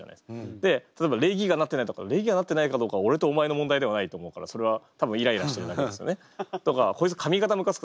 で例えば礼儀がなってないとか礼儀がなってないかどうかは俺とお前の問題ではないと思うからそれは多分イライラしてるだけですよね。とか「こいつ髪形むかつく」